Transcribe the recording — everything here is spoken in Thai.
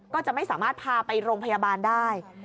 ก็จะไม่สามารถพาไปโรงพยาบาลได้